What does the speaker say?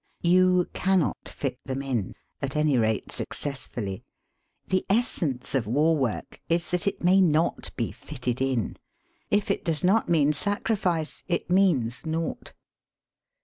You cannot fit them in — at any rate success fully. The essence of war work is that it may not be fitted in. If it does not mean sacrifice, it means naught.